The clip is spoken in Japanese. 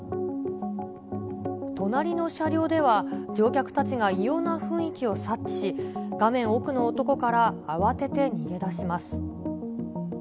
隣の車両では乗客たちが異様な雰囲気を察知し、画面奥の男から慌てて逃げだします。